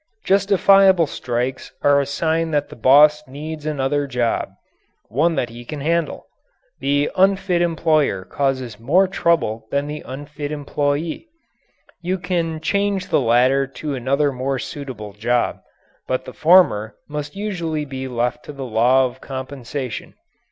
Justifiable strikes are a sign that the boss needs another job one that he can handle. The unfit employer causes more trouble than the unfit employee. You can change the latter to another more suitable job. But the former must usually be left to the law of compensation.